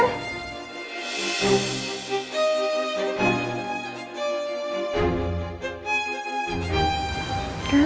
kalian tuh jahat ya